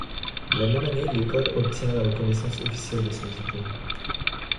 La même année l’école obtient la reconnaissance officielle de son diplôme.